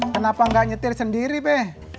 kenapa gak nyetir sendiri be